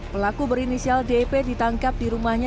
pelaku berinisial dp ditangkap di rumahnya